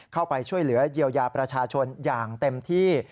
เข้าไปช่วยเหลือเยียวยาประชาชนอย่างเต็มที่